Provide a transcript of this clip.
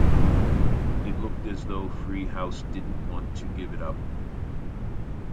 It looked as though Free House didn't want to give it up.